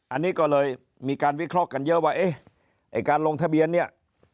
อันนี้ก็เลยมีการวิเคราะห์กันเยอะว่าเอ๊ะไอ้การลงทะเบียนเนี่ย